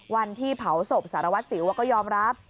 ท่อพี่เผาโสปสารวัตน์ศิวค์วะก็ยอมรับ